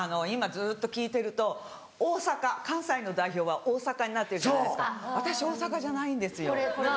今ずっと聞いてると関西の代表は大阪になってるじゃないですか。